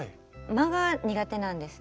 間が苦手なんですね